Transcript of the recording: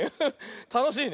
たのしいね。